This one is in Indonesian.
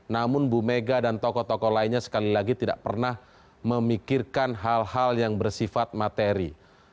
namun bu mega dan tokoh tokoh lainnya sekali lagi tidak pernah memikirkan hal hal yang bersifat materi